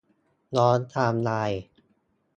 ย้อนไทม์ไลน์